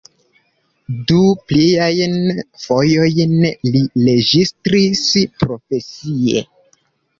Du pliajn fojojn li registris profesie.